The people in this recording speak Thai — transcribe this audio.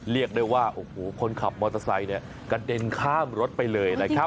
เรียกได้ว่าโอ้โหคนขับมอเตอร์ไซค์เนี่ยกระเด็นข้ามรถไปเลยนะครับ